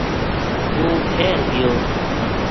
وہ شہر گیو